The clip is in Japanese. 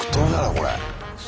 これ。